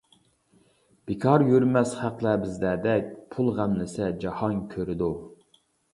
بىكار يۈرمەس خەقلەر بىزلەردەك، پۇل غەملىسە جاھان كۆرىدۇ.